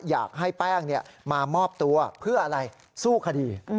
อยากให้แป้งมามอบตัวเพื่ออะไรสู้คดี